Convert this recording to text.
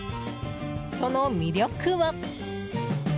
その魅力は。